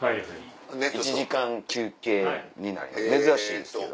１時間休憩になるよ珍しいですけど。